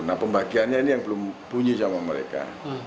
nah pembagiannya ini yang belum bunyi sama mereka